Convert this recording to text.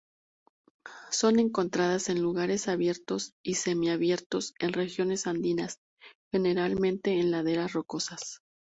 Son encontradas en lugares abiertos y semi-abiertos en regiones andinas, generalmente en laderas rocosas.